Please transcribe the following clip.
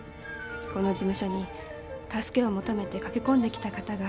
この事務所に助けを求めて駆け込んできた方が。